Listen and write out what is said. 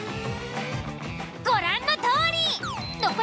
ご覧のとおり！